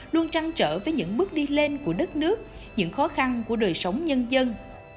luôn trăng trở với những bước đi lên của đất nước những khó khăn của đời sống nhân dân